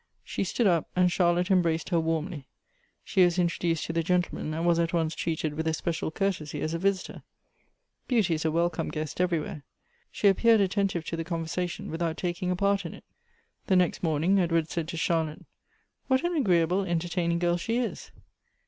She stood up, and Charlotte embraced her warmly. She was introduced to the gentlemen, and was at once treated with especial courtesy as a visitor. Beauty is a welcome Elective Affinities. 51 . guest everywhere. She appeared attentive to the conver sation, without taking a part in it. The next morning Edward said to Charlotte, "What an agreeable, entertaining girl she is